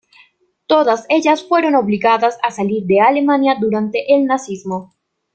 Todas ellas fueron obligadas a salir de Alemania durante el nazismo.